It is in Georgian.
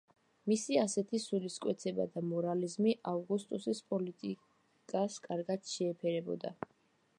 მისი ასეთი სულისკვეთება და მორალიზმი ავგუსტუსის პოლიტიკას კარგად შეეფერებოდა.